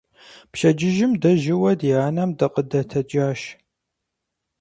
Пщэдджыжьым дэ жьыуэ ди анэм дыкъыдэтэджащ.